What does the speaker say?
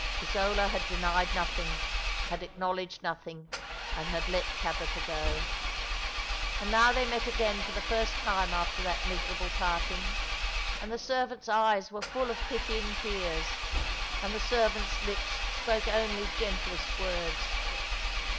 Isola had denied nothing, had acknowledged nothing, and had let Tabitha go. And now they met again for the first time after that miserable parting, and the servant's eyes were full of pitying tears, and the servant's lips spoke only gentlest words.